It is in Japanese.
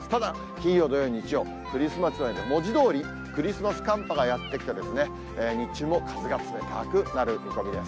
金曜、土曜、日曜、クリスマスは文字どおり、クリスマス寒波がやって来て、日中も風が冷たくなる見込みです。